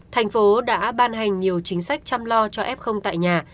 tp hcm đã ban hành nhiều chính sách chăm lo cho f tại nhà